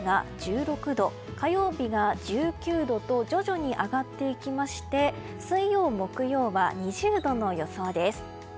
来週は月曜日が１６度火曜日が１９度と徐々に上がっていきまして水曜、木曜は２０度の予想です。